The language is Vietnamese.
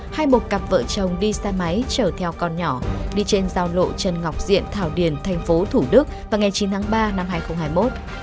hai một cặp vợ chồng đi xe máy chở theo con nhỏ đi trên giao lộ trần ngọc diện thảo điền thành phố thủ đức vào ngày chín tháng ba năm hai nghìn hai mươi một